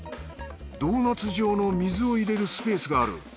ドーナツ状の水を入れるスペースがある。